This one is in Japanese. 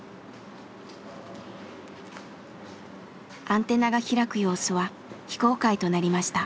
アンテナが開く様子は非公開となりました。